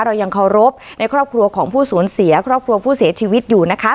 เรายังเคารพในครอบครัวของผู้สูญเสียครอบครัวผู้เสียชีวิตอยู่นะคะ